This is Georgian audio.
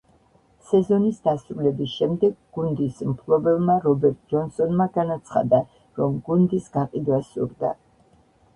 სეზონის დასრულების შემდეგ, გუნდის მფლობელმა რობერტ ჯონსონმა განაცხადა, რომ გუნდის გაყიდვა სურდა.